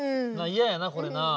イヤやなこれな。